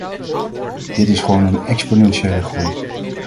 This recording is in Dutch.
Dat is gewoon een exponentiële groei.